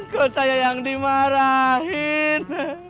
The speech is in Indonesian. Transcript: kok saya yang dimarahin